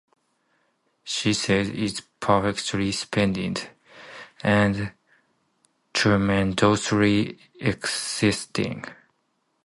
She says it’s perfectly splendid and tremendously exciting.